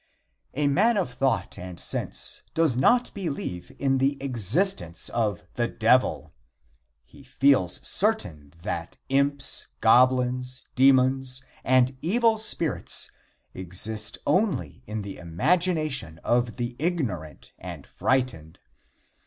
A man of thought and sense does not believe in the existence of the Devil. He feels certain that imps, goblins, demons and evil spirits exist only in the imagination of the ignorant and frightened.